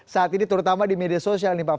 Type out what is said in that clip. saat ini terutama di media sosial